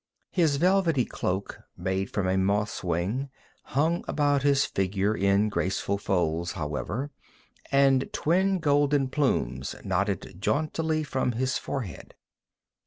His velvety cloak, made from a moth's wing, hung about his figure in graceful folds, however, and twin golden plumes nodded jauntily from his forehead.